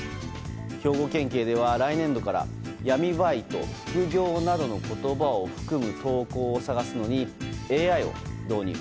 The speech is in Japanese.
兵庫県警では来年度から闇バイト、副業などの言葉を含む投稿を探すのにＡＩを導入。